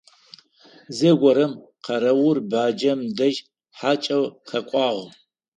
Зэгорэм къэрэур баджэм дэжь хьакӀэу къэкӀуагъ.